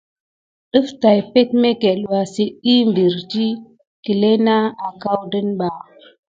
Ɗəf tay peɗmekel ɓa sit diy beriti kelena akoudane ba.